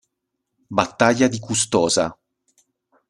Battaglia di Custoza